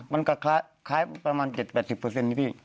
มันก็คล้ายประมาณ๗๘๐นี่พี่